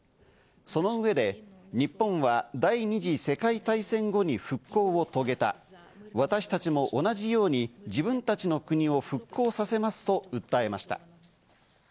その上で日本は第二次世界大戦後に復興を遂げた、私たちも同じように自分たちの国を復興させますと訴えました。